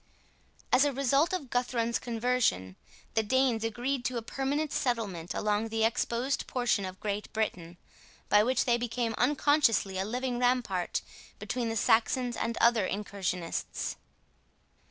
As a result of Guthrun's conversion, the Danes agreed to a permanent settlement along the exposed portion of Great Britain, by which they became unconsciously a living rampart between the Saxons and other incursionists.